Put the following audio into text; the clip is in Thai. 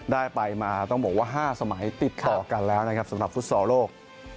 ได้ไปมาต้องบอกว่า๕สมัยติดต่อกันแล้วนะครับสำหรับฟุตซอลโลก